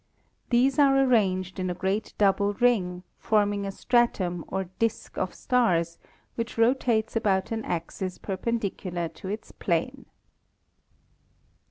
These are arranged in a great double ring, forming a stratum or disk of stars which rotates about an axis perpendicular to its plane.